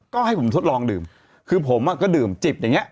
ก็ให้ผมทดลองดื่มคือผมก็ดื่มจิบอย่างเงี้